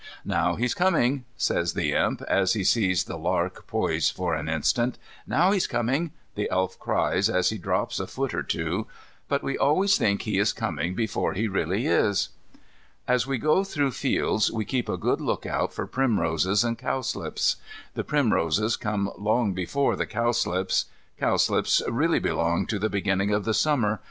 "Now he's coming," says the Imp, as he sees the lark poise for an instant. "Now he's coming," the Elf cries, as he drops a foot or two. But we always think he is coming before he really is. As we go through the fields we keep a good look out for primroses and cowslips. The primroses come long before the cowslips. Cowslips really belong to the beginning of the Summer.